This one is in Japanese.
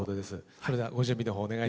それではご準備の方お願いします。